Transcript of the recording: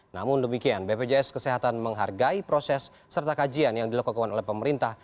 namun demikian bpjs kesehatan menghargai proses serta kajian yang dilakukan oleh pemerintah